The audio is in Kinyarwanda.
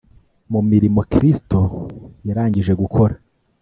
mu mirimo Kristo yarangije gukora.